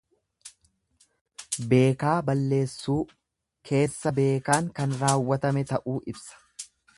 Beekaa balleessuu, keessa beekaan kan raawwatame ta'uu ibsa.